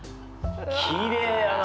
きれいやな！